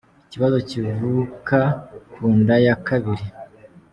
Ikibazo kivuka ku nda ya kabiri.